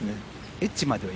エッジまでは？